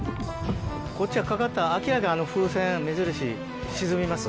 こっちはかかったら、明らかにあの風船、目印、沈みます？